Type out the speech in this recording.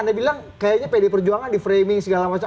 anda bilang kayaknya pd perjuangan di framing segala macam